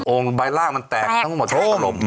โอ่งใบล่างมันแตกต้องหมดทะลม